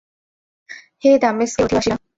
হে দামেস্কের অধিবাসীরা!